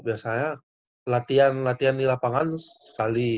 biasanya latihan latihan di lapangan sekali